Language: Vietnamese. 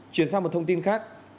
chuyển sang một thông tin khác